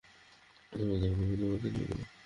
তার আত্মমর্যাদাবোধ তাকে পাপপঙ্কিলতার পথে নিয়ে গেল।